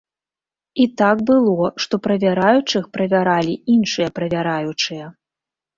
І так было, што правяраючых правяралі іншыя правяраючыя.